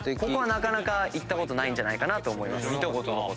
ここは行ったことないんじゃないかなと思います。